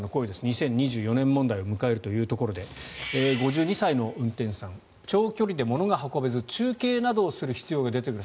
２０２４年問題を迎えるというところで５２歳の運転手さん長距離で物が運べず中継などをする必要が出てくる。